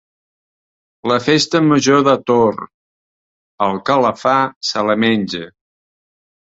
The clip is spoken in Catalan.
La festa major de Tor: el que la fa se la menja.